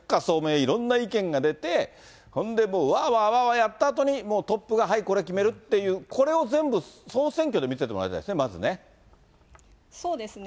いろんな意見が出て、ほんでもう、わーわーわーわーやったあとに、もうトップが、はいこれ決めるっていう、これを全部、総選挙で見せてもらいたいそうですね。